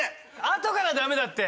あとからはダメだって！